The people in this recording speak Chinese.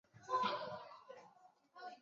江南水乡青云镇上的黄府是本地首富。